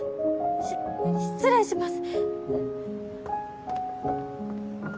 し失礼します。